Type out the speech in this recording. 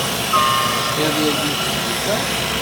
Tesliḍ yagi i tezlit-a.